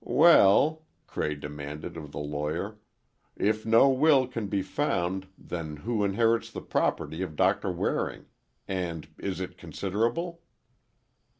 "Well," Cray demanded of the lawyer, "if no will can be found, then who inherits the property of Doctor Waring? And is it considerable?"